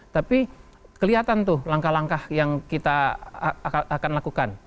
tapi kelihatan tuh langkah langkah yang kita akan lakukan